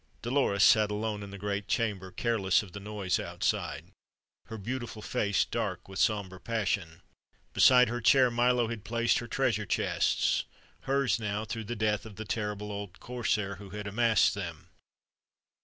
Dolores sat alone in the great chamber, careless of the noise outside, her beautiful face dark with somber passion. Beside her chair Milo had placed her treasure chests; hers now, through the death of the terrible old corsair who had amassed them.